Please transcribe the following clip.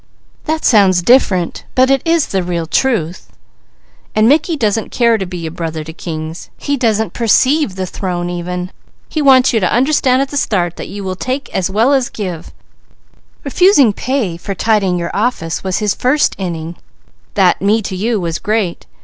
"That sounds different, but it is the real truth." "And Mickey doesn't care to be brother to kings, he doesn't perceive the throne even; he wants you to understand at the start that you will take, as well as give. Refusing pay for tidying your office was his first inning. That 'Me to you!' was great.